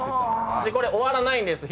これ終わらないんです。